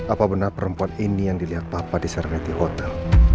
apa benar perempuan ini yang dilihat papa diseret di hotel